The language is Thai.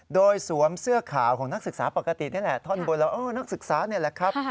โดยสวมเสื้อขาวของนักศึกษาปกตินี่แหละท่อนบนแล้วนักศึกษานี่แหละครับ